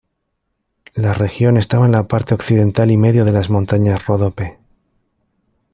La región estaba en la parte occidental y medio de las montañas Ródope.